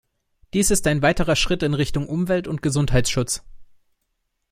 Dies ist ein weiterer Schritt in Richtung Umwelt- und Gesundheitsschutz.